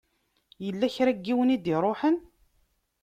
Yella kra n yiwen i d-iṛuḥen?